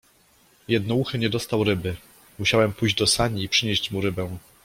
Jednouchy nie dostał ryby. Musiałem pójść do sani i przynieść mu rybę.